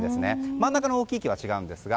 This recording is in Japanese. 真ん中の大きい木は違いますが。